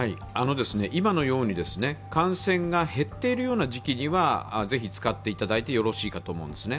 今のように感染が減ってるような時期にはぜひ使っていただいてよろしいかと思うんですね。